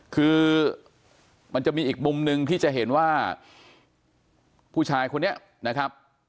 คือมันจะมีอีกมุมหนึ่งที่จะเห็นว่าผู้ชายคนนี้นะครับ